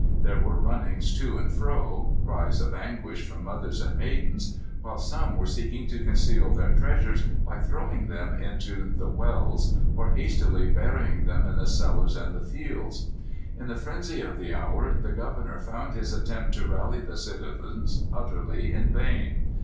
There were runnings to and fro, cries of anguish from mothers and maidens, while some were seeking to conceal their treasures by throwing them into the wells or hastily burying them in the cellars and the fields. In the frenzy of the hour the governor found his attempts to rally the citizens utterly in vain.